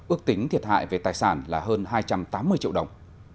ước tính thiệt hại về tài sản là hơn hai trăm tám mươi triệu đồng